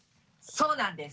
そうなんです！